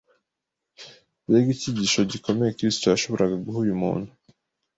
Mbega icyigisho gikomeye Kristo yashoboraga guha uyu muntu